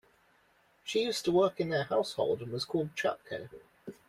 She used to work in their household and was called Chapko.